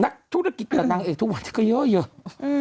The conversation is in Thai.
นักธุรกิจกับนางเอกทุกวันนี้ก็เยอะ